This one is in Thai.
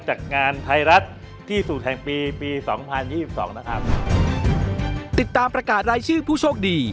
จัดงานไทยรัฐที่สุดแห่งปีปีสองพันยี่สิบสองนะครับติดตามประกาศรายชื่อผู้โชคดี